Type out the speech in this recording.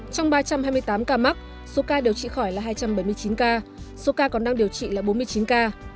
trong ba trăm hai mươi tám ca mắc số ca điều trị khỏi là hai trăm bảy mươi chín ca số ca còn đang điều trị là bốn mươi chín ca